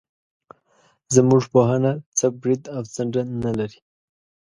زموږ پوهنه څه برید او څنډه نه لري.